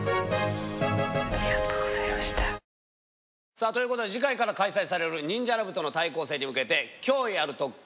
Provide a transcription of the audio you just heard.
さぁということで次回から開催されるニンジャラ部との対抗戦に向けて今日やる特訓